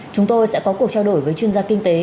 chúng tôi sẽ có cuộc trao đổi với chuyên gia kinh tế